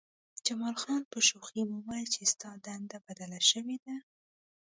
جمال خان په شوخۍ وویل چې ستا دنده بدله شوې ده